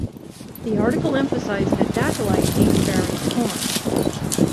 The article emphasized that Bakelite came in various forms.